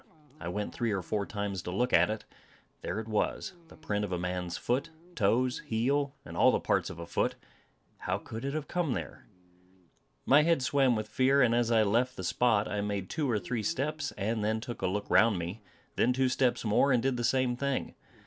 I went three or four times to look at it. There it was the print of a man's foot; toes, heel, and all the parts of a foot. How could it have come there? My head swam with fear; and as I left the spot, I made two or three steps, and then took a look round me; then two steps more, and did the same thing.